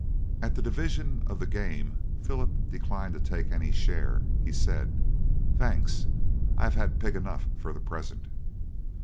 At the division of the game Philip declined to take any share. He said: "Thanks, I have had pig enough for the present."